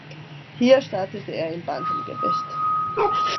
Hier startete er im Bantamgewicht.